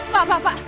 pak pak pak